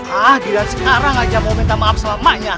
hah tidak sekarang aja mau minta maaf sama emaknya